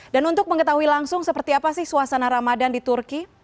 dan untuk mengetahui langsung seperti apa sih suasana ramadan di turki